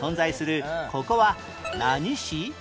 ここは何市？